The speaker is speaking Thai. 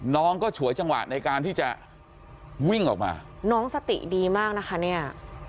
น้องก็ฉวยจังหวะในการที่จะวิ่งออกมาน้องสติดีมากนะคะเนี่ย